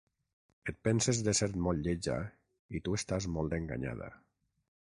Et penses d’ésser molt lletja i tu estàs molt enganyada.